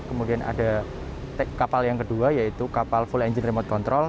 kemudian ada kapal yang kedua yaitu kapal full engine remote control